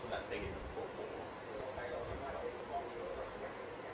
หลังจากนี้ก็ได้เห็นว่าหลังจากนี้ก็ได้เห็นว่า